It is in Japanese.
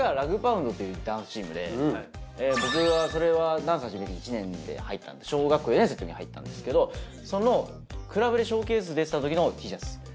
それが僕がそれはダンス始めて１年で入ったんで小学校４年生のときに入ったんですけどそのクラブでショーケース出てたときのＴシャツ。